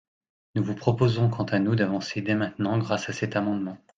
Nous vous proposons quant à nous d’avancer dès maintenant grâce à cet amendement.